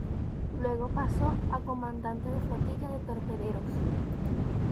Luego pasó a comandante de flotilla de torpederos.